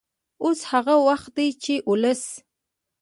اوس هغه وخت دی چې ولس